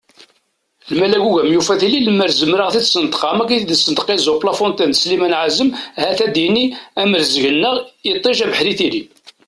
Lmal agugam yufa tili, lemmer zmireɣ ad ten-id-sneṭqeɣ am akken i ten-id-yessenṭeq Esope, La Fontaine d Slimane Ɛazem ahat ad d-inin : am rrezg-nneɣ iṭij, abeḥri, tili!